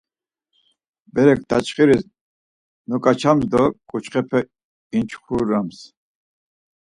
Berek daçxuris noǩaçams do ǩuçxepe inçxunams.